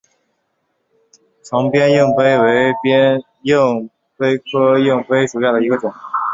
长蝠硬蜱为硬蜱科硬蜱属下的一个种。